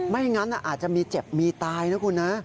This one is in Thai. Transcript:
ไม่งั้นอาจจะมีเจ็บมีตายนะคุณนะ